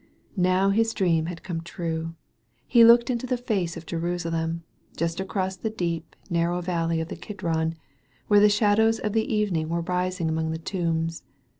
Now his dream had come true. He looked into the face of Jerusalem, just across the deep, narrow valley of the Kidron, where the shadows of the eve ning were rising among the tombs.